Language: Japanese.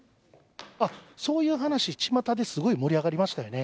そういう話、ちまたですごい盛り上がりましたよね。